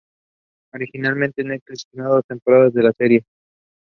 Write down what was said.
Originalmente Netflix firmó dos temporadas de la serie.